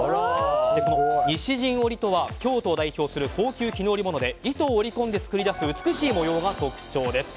この西陣織とは京都を代表する高級絹織物で糸を織り込んで作り出す美しい模様が特徴です。